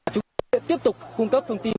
chúng ta sẽ tiếp tục cung cấp thông tin